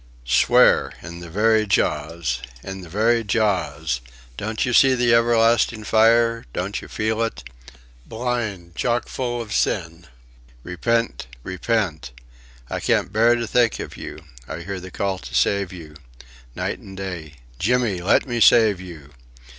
"Swear... in the very jaws!... In the very jaws! Don't you see the everlasting fire... don't you feel it? Blind, chockfull of sin! Repent, repent! I can't bear to think of you. I hear the call to save you. Night and day. Jimmy, let me save you!"